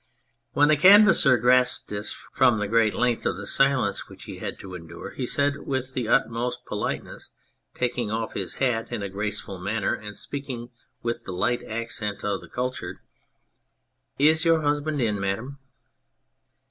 When the Canvasser grasped this from the great length of silence which he had to endure, he said with the utmost politeness, taking off his hat in a graceful manner and speaking with the light accent of the cultured " Is your husband in, madam